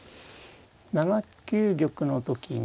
７九玉の時に。